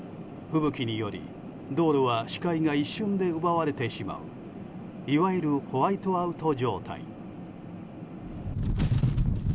吹雪により道路は視界が一瞬で奪われてしまういわゆるホワイトアウト状態。